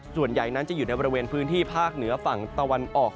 ส่วนใหญ่นั้นจะอยู่ในบริเวณพื้นที่ภาคเหนือฝั่งตะวันออก